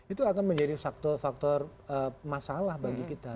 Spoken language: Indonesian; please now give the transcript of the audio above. itu akan menjadi faktor faktor masalah bagi kita